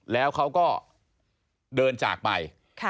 แล้วเขาก็เดินจากไป